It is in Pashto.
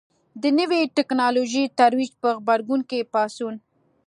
د نوې ټکنالوژۍ ترویج په غبرګون کې پاڅون.